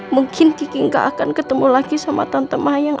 mungkin kiki gak akan ketemu lagi sama tante mahayang